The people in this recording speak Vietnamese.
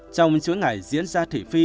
trong suốt ngày diễn ra thỉ phi